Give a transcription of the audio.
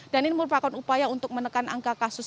dan ini merupakan upaya untuk menekan angka kasus